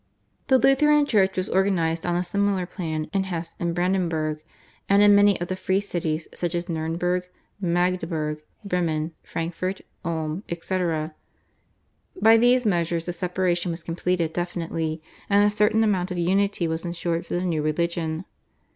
The Lutheran church was organised on a similar plan in Hesse and Brandenburg and in many of the free cities such as Nurnberg, Magdeburg, Bremen, Frankfurt, Ulm, etc. By these measures the separation was completed definitely, and a certain amount of unity was ensured for the new religion.